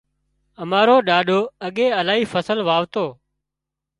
امارو ڏاڏو اڳي الاهي فصل واوتو